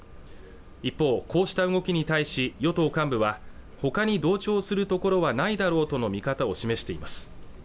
一方こうした動きに対し与党幹部はほかに同調するところはないだろうとの見方を示しています